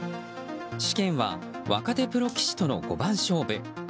試験は若手プロ棋士との五番勝負。